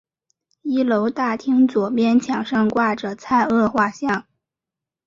一楼大厅左边墙上挂着蔡锷画像。